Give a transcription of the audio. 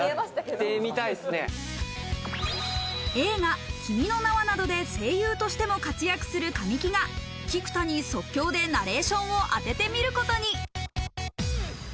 映画『君の名は。』などで声優としても活躍する神木が菊田に即興でナレーションをあててみることに。